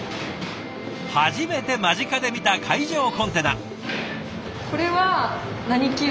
初めて間近で見た海上コンテナ。